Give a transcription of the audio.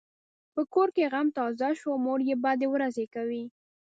په کور کې غم تازه شو؛ مور یې بدې ورځې کوي.